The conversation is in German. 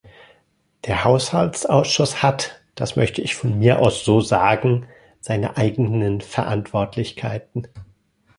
Der Haushaltsausschuss hat, das möchte ich von mir aus so sagen, seine eigenen Verantwortlichkeiten.